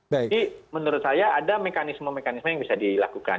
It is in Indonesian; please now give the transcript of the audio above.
jadi menurut saya ada mekanisme mekanisme yang bisa dilakukan